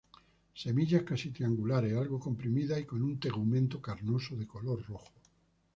Semillas casi triangulares, algo comprimidas y con tegumento carnoso, de color rojo.